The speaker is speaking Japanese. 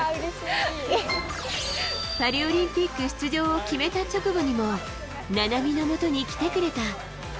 パリオリンピック出場を決めた直後にも、菜波のもとに来てくれた。